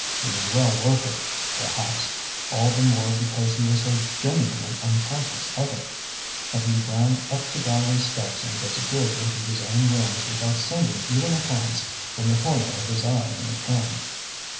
He was well worth it, perhaps all the more because he was so genuinely unconscious of it; and he ran up the gallery steps and disappeared into his own rooms without sending even a glance from the corner of his eye in return.